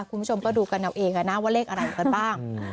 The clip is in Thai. คุณผู้ชมก็ดูกันเอาเองนะว่าเลขอะไรกันบ้าง